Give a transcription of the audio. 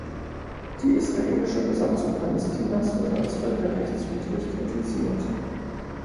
Die israelische Besatzung Palästinas wird als "völkerrechtswidrig" kritisiert.